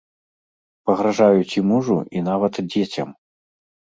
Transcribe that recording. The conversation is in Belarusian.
Пагражаюць і мужу, і нават дзецям.